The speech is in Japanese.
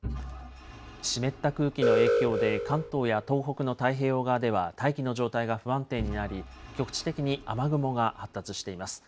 湿った空気の影響で関東や東北の太平洋側では大気の状態が不安定になり、局地的に雨雲が発達しています。